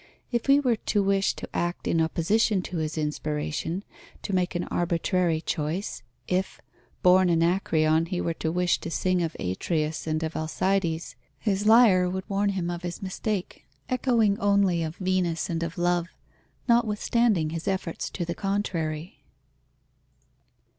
If he were to wish to act in opposition to his inspiration, to make an arbitrary choice, if, born Anacreon, he were to wish to sing of Atreus and of Alcides, his lyre would warn him of his mistake, echoing only of Venus and of Love, notwithstanding his efforts to the contrary.